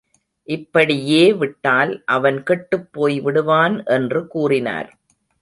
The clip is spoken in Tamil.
இப்படியே விட்டால் அவன் கெட்டுப்போய் விடுவான் என்று கூறினார்.